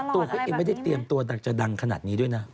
ไม่หรอกตัวเองไม่ได้เตรียมตัวจะดังขนาดนี้ด้วยนะ